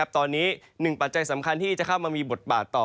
ตอนนี้๑ปัจจัยสำคัญที่จะเข้ามามีบทบาทต่อ